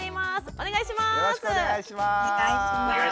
お願いします。